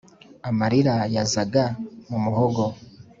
amarira yazaga mu muhogo